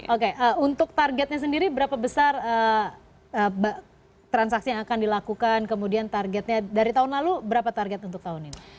oke untuk targetnya sendiri berapa besar transaksi yang akan dilakukan kemudian targetnya dari tahun lalu berapa target untuk tahun ini